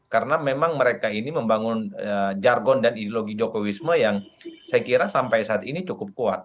karena memang mereka ini membangun jargon dan ideologi jokowisme yang saya kira sampai saat ini cukup kuat